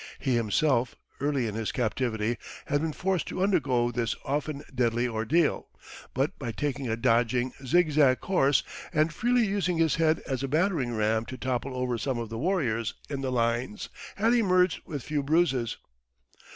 He himself, early in his captivity, had been forced to undergo this often deadly ordeal; but by taking a dodging, zigzag course, and freely using his head as a battering ram to topple over some of the warriors in the lines, had emerged with few bruises.